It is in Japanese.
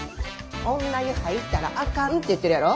女湯入ったらあかんて言ってるやろ。